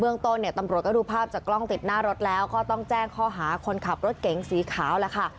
ต้นเนี่ยตำรวจก็ดูภาพจากกล้องติดหน้ารถแล้วก็ต้องแจ้งข้อหาคนขับรถเก๋งสีขาวแล้วค่ะ